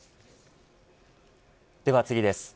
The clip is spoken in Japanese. では次です。